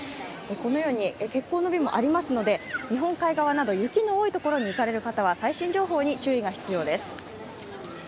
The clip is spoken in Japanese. このように欠航の便もありますので日本海側など雪の多い所に行かれる方は最新情報に注意が必要です。